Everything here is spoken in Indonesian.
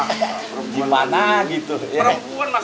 perempuan mah yang harus nganter laki laki mbak mega